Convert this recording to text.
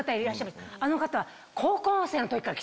あの方は。